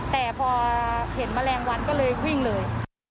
แต่พอเห็นแมลงวันก็เลยวิ่งเลย